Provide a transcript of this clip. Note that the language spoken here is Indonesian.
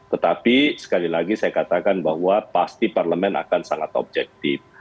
tetapi sekali lagi saya katakan bahwa pasti parlemen akan sangat objektif